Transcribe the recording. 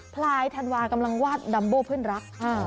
พลายธันวากำลังวาดดัมโบเพื่อนรัก